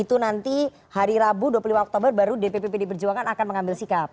itu nanti hari rabu dua puluh lima oktober baru dpp pdi perjuangan akan mengambil sikap